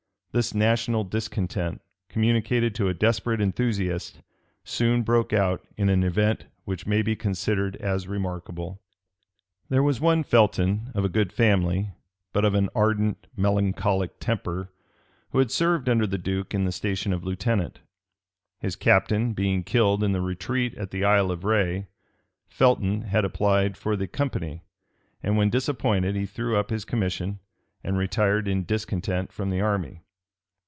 This national discontent, communicated to a desperate enthusiast, soon broke out in an event which may be considered as remarkable. There was one Felton, of a good family, but of an ardent, melancholic temper, who had served under the duke in the station of lieutenant. His captain being killed in the retreat at the Isle of Rhé, Felton had applied for the company; and when disappointed, he threw up his commission, and retired in discontent from the army.